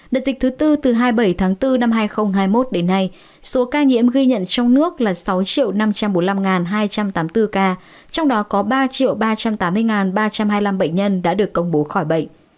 đợt dịch thứ tư từ hai mươi bảy tháng bốn năm hai nghìn hai mươi một đến nay số ca nhiễm ghi nhận trong nước là sáu năm trăm bốn mươi năm hai trăm tám mươi bốn ca trong đó có ba ba trăm tám mươi ba trăm hai mươi năm bệnh nhân đã được công bố khỏi bệnh